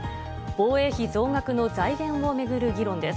防衛費増額の財源をめぐる議論です。